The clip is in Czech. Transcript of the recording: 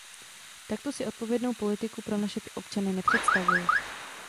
Takto si odpovědnou politiku pro naše občany nepředstavuji.